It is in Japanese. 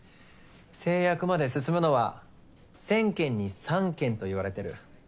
成約まで進むのは１，０００件に３件といわれてる。